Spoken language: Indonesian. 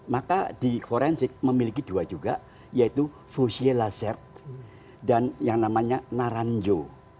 maka di forensik memiliki dua juga yaitu fusie lazer dan yang namanya naranjo